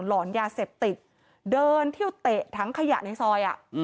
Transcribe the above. หลอนยาเสพติดเดินเที่ยวเตะถังขยะในซอย